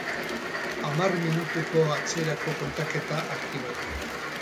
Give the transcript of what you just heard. Hamar minutuko atzerako kontaketa aktibatu